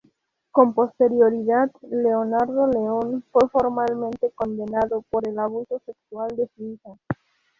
Con posterioridad, Leonardo León fue formalmente condenado por el abuso sexual de su hija.